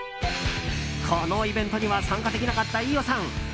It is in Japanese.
このイベントには参加できなかった飯尾さん。